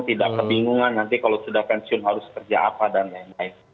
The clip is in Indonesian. tidak kebingungan nanti kalau sudah pensiun harus kerja apa dan lain lain